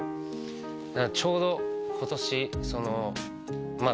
ちょうど今年そのまあ